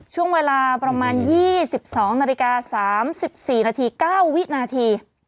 ช่วงเวลาประมาณ๒๒๓๔น๙วินาที